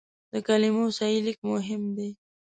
د کلمو صحیح لیک مهم دی.